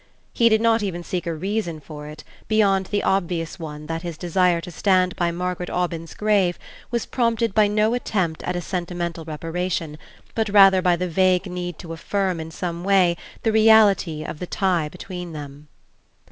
He did not even seek a reason for it, beyond the obvious one that his desire to stand by Margaret Aubyn's grave was prompted by no attempt at a sentimental reparation, but rather by the vague need to affirm in some way the reality of the tie between them.